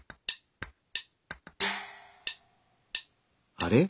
あれ？